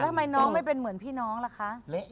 ทำไมน้องไม่เป็นเหมือนพี่น้องล่ะคะ